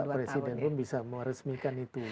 dan pak presiden pun bisa meresmikan itu